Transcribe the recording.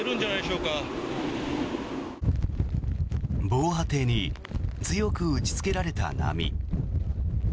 防波堤に強く打ちつけられた波。